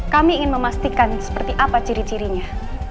kami ingin memastikan seperti apa ciri cirinya